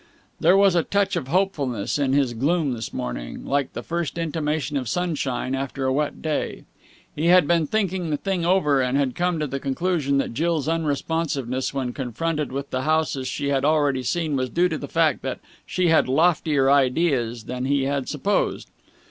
There was a touch of hopefulness in his gloom this morning, like the first intimation of sunshine after a wet day. He had been thinking the thing over, and had come to the conclusion that Jill's unresponsiveness when confronted with the houses she had already seen was due to the fact that she had loftier ideas than he had supposed.